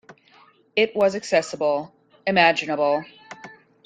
It was accessible, imaginable.